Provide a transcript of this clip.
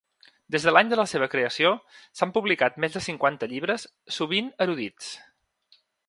Des de l'any de la seva creació s'han publicat més de cinquanta llibres, sovint erudits.